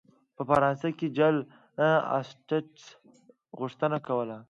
په فرانسه کې جل اسټټس غوښتنه کوله.